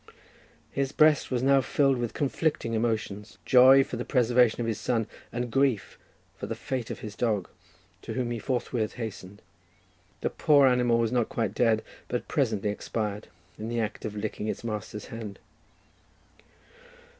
His breast was now filled with conflicting emotions; joy for the preservation of his son, and grief for the fate of his dog, to whom he forthwith hastened. The poor animal was not quite dead, but presently expired, in the act of licking its master's hand.